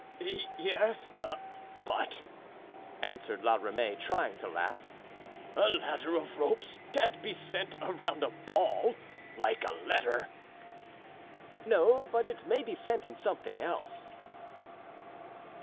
"Yes, but," answered La Ramee, trying to laugh, "a ladder of ropes can't be sent around a ball, like a letter." "No, but it may be sent in something else."